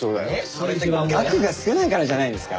それって額が少ないからじゃないんですか？